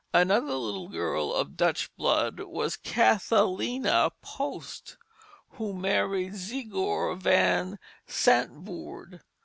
Another little girl of Dutch blood was Cathalina Post, who married Zegor Van Santvoord.